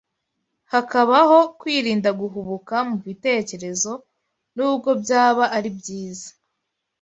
hakabaho kwirinda guhubuka mu bitekerezo, nubwo byaba ari byiza.